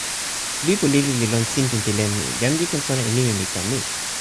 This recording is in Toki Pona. lipu lili li lon sinpin pi len mi. jan li ken sona e nimi mi tan ni.